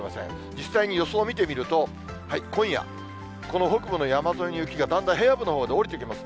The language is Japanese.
実際に予想を見てみると、今夜、この北部の山沿いの雪がだんだん平野部のほうまで下りてきます。